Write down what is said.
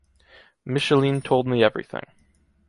Micheline told me everything.